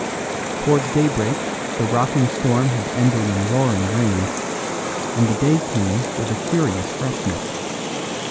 Towards daybreak the rocking storm had ended in roaring rains, and the day came with a curious freshness.